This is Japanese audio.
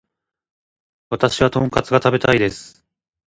私はトンカツが食べたいです